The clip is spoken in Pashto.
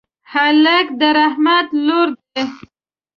هلک د رحمت لور دی.